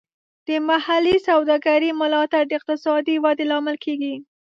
د محلي سوداګرۍ ملاتړ د اقتصادي ودې لامل کیږي.